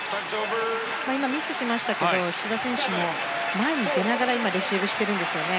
今、ミスしましたけど志田選手も前に出ながら今、レシーブしてるんですよね。